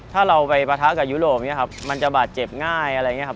ถ้าเราไปปะทะกับยุโรปอย่างนี้ครับมันจะบาดเจ็บง่ายอะไรอย่างนี้ครับ